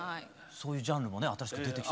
そういうジャンルもね新しく出てきた。